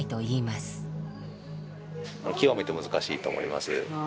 極めて難しいと思います。